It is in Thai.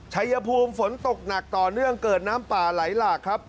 ชัยภูมิฝนตกหนักต่อเนื่องเกิดน้ำป่าไหลหลากครับ